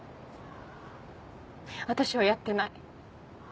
私はやってない。